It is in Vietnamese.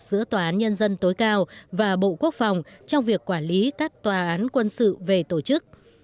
giữa tòa án nhân dân tối cao và bộ quốc phòng trong việc quản lý các tòa án quân sự về tổ chức